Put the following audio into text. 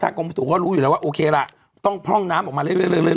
ทางกรมสูตรก็รู้อยู่แล้วว่าโอเคล่ะต้องพร่องน้ำออกมาเรื่อยเรื่อย